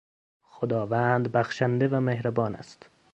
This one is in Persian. خداوند بخشنده و مهربان است.